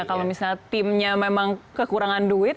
kalau misalnya timnya memang kekurangan duit